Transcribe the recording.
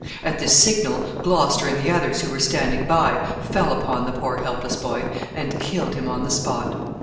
] At this signal, Gloucester, and the others who were standing by, fell upon the poor helpless boy, and killed him on the spot.